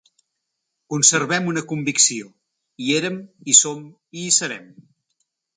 Conservem una convicció: hi érem, hi som i hi serem.